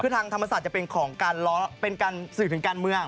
คือทางธรรมศาสตร์จะเป็นของการล้อเป็นการสื่อถึงการเมือง